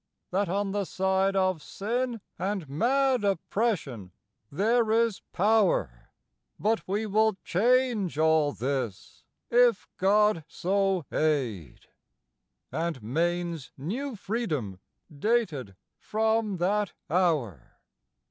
that on the side Of sin and mad oppression there is power, But we will change all this, if God so aid": And Maine's new freedom dated from that hour.